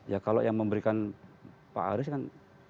ya kalau yang memberikan pak aris kan